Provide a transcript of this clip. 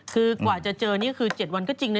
คือกว่าจะเจอนี่ก็คือ๗วันก็จริงนะ